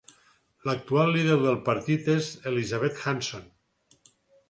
L'actual líder del partit és Elizabeth Hanson.